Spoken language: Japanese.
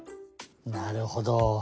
なるほど。